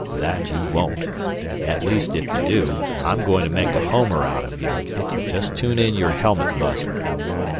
"That you won't. At least if you do I'm going to make a homer out of you. Just tune in your helmet buzzer."